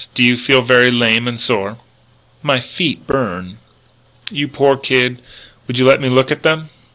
Do you feel very lame and sore?" "My feet burn." "You poor kid!... Would you let me look at them?